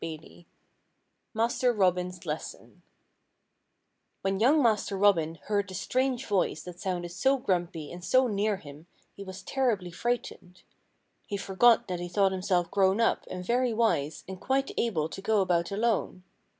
III MASTER ROBIN'S LESSON When young Master Robin heard the strange voice that sounded so grumpy and so near him he was terribly frightened. He forgot that he thought himself grown up, and very wise, and quite able to go about alone.